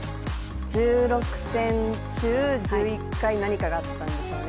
１６戦中、１１回何かがあったんでしょうね。